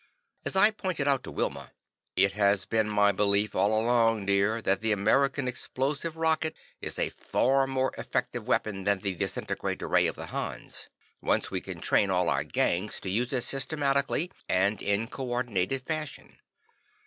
As I pointed out to Wilma: "It has been my belief all along, dear, that the American explosive rocket is a far more efficient weapon than the disintegrator ray of the Hans, once we can train all our gangs to use it systematically and in co ordinated fashion.